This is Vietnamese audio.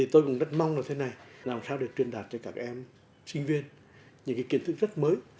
tôi cũng rất mong là thế này làm sao để truyền đạt cho các em sinh viên những kiến thức rất mới